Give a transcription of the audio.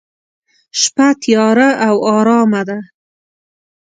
شپه تیاره او ارامه ده.